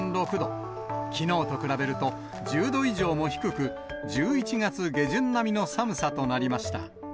きのうと比べると１０度以上も低く、１１月下旬並みの寒さとなりました。